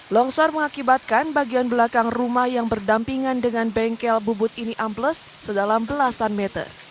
longsor mengakibatkan bagian belakang rumah yang berdampingan dengan bengkel bubut ini ambles sedalam belasan meter